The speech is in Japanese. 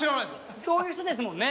そういう人ですもんね。